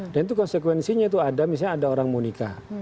dan itu konsekuensinya itu ada misalnya ada orang mau nikah